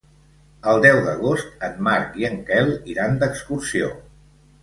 El deu d'agost en Marc i en Quel iran d'excursió.